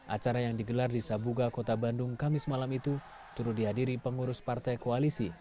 acara yang digelar di sabuga kota bandung kamis malam itu turut dihadiri pengurus partai koalisi